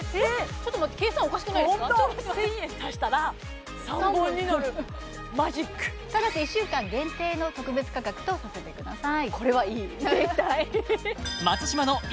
ちょっと待って計算おかしくないですか１０００円足したら３本になるマジックただし１週間限定の特別価格とさせてください